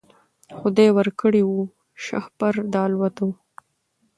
خدای ورکړی وو شهپر د الوتلو